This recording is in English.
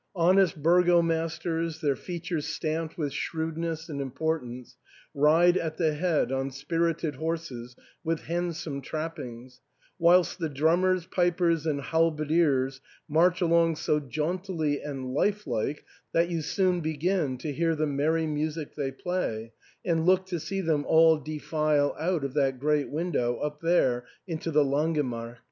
Honest burgomasters, their features stamped with shrewdness and importance, ride at the head on spirited horses with handsome trappings, whilst the drummers, pipers, and halberdiers march along so jauntily and life like, that you soon begin to hear the merry music they play, and look to see them all defile out of that g^eat window up there into the Langemarkt.